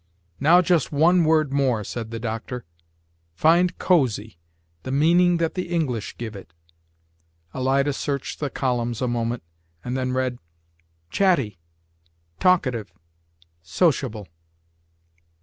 "Now just one word more," said the doctor. "Find cozy, the meaning that the English give it." Alida searched the columns a moment and then read: "Chatty; talkative; sociable."